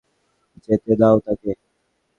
যেতে দাও তাকে।